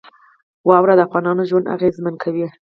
واوره د افغانانو ژوند اغېزمن کوي.